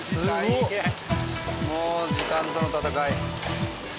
もう時間との闘い。